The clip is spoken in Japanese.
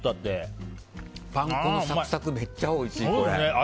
パン粉のサクサクめっちゃおいしい！